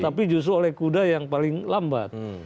tapi justru oleh kuda yang paling lambat